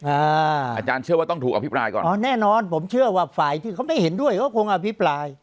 อาจารย์เชื่อว่าต้องถูกอภิปรายก่อนอ๋อแน่นอนผมเชื่อว่าฝ่ายที่เขาไม่เห็นด้วยเขาคงอภิปราย